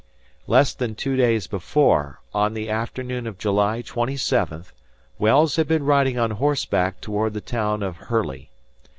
Less than two days before, on the afternoon of July twenty seventh Wells had been riding on horseback toward the town of Herly.